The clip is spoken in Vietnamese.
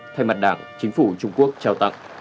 thay mặt đảng chính phủ trung quốc trao tặng